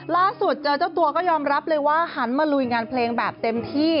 ล่าสุดเจอเจ้าตัวก็ยอมรับเลยว่าหันมาลุยงานเพลงแบบเต็มที่